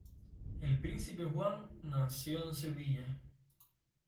El príncipe Juan nació en Sevilla.